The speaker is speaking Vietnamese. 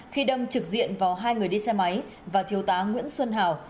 khi đâm trực diện vào hai người đi xe máy và thiếu tá nguyễn xuân hào